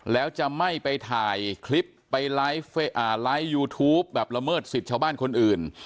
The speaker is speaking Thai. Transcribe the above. แล้วจะไม่ไปถ่ายคลิปไปไลฟ์ยูทูปแบบละเมิดสิทธิ์ชาวบ้านคนอื่น